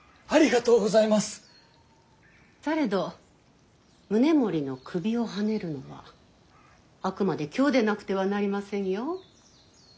されど宗盛の首をはねるのはあくまで京でなくてはなりませんよ。